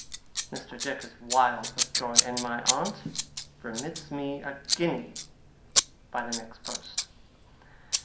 Mr. Dick is wild with joy, and my aunt remits me a guinea by the next post.